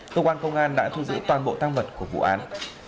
cơ quan công an đã thu giữ toàn bộ thăng vật của vụ án